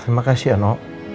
terima kasih ya no